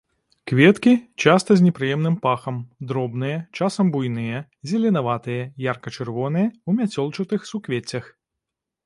Кветкі часта з непрыемным пахам, дробныя, часам буйныя, зеленаватыя, ярка-чырвоныя, у мяцёлчатых суквеццях.